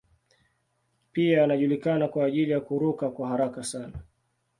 Pia anajulikana kwa ajili ya kuruka kwa haraka sana.